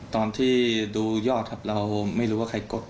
ตอนที่ดูยอดครับเราไม่รู้ว่าใครกด